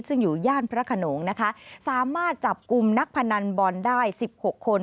ซึ่งอยู่ย่านพระขนงนะคะสามารถจับกลุ่มนักพนันบอลได้๑๖คน